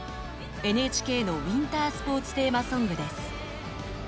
ＮＨＫのウィンタースポーツテーマソングです。